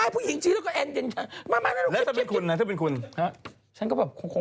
ผู้หญิงก็ไม่คิดง่ายนะพวกผู้หญิงชิงแล้วก็แอนเดน